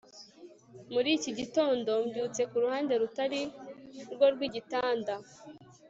Muri iki gitondo mbyutse ku ruhande rutari rwo rwigitanda